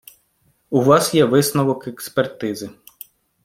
У вас є висновок експертизи.